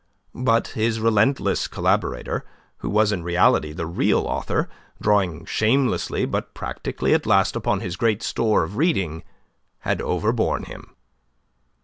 But his relentless collaborator, who was in reality the real author drawing shamelessly, but practically at last upon his great store of reading had overborne him.